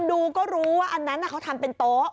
ดูก็รู้ว่าอันนั้นเขาทำเป็นโต๊ะ